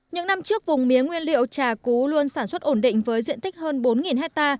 những năm trước vùng mía nguyên liệu trà cú luôn sản xuất ổn định với diện tích hơn bốn hectare